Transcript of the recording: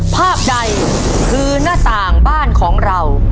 ภาพใดคือหน้าต่างบ้านของเรา